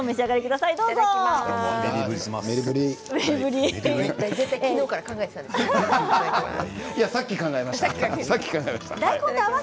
さっき、考えました。